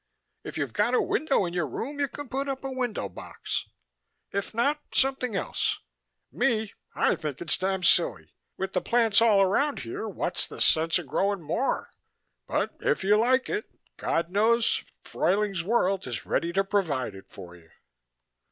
If you've got a window in your room you can put up a window box. If not, something else. Me, I think it's damn silly: with the plants all around here, what's the sense of growing more? But if you like it, God knows Fruyling's World is ready to provide it for you."